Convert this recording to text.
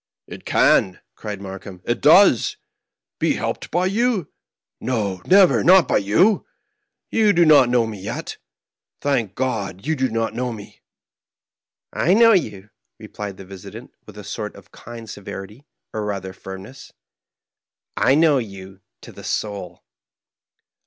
" It can," cried Markheim ;" it does ! Be helped by you ? No, never ; not by you 1 You do Jiot know me yet ; thank God, you do not know me I "" I know you," replied the visitant, with a sort of kind severity, or rather, firmness ;" I know you to the soul."